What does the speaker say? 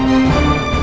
masih ada yang nunggu